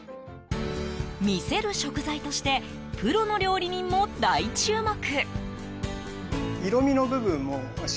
魅せる食材としてプロの料理人も大注目。